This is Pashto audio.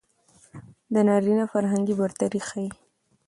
د نارينه فرهنګي برتري ښيي.